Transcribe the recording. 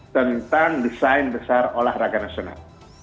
tentang desain besar olahraga nasional